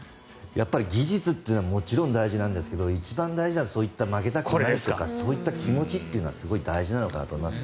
やっぱり技術はもちろん大事なんですが一番大事なのはそういった負けたくないとかそういった気持ちというのはすごい大事なのかなと思います。